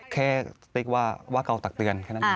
แค่ติ๊กว่าเก่าตักเตือนแค่นั้นเอง